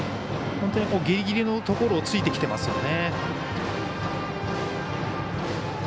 本当にぎりぎりのところをついてきていますよね。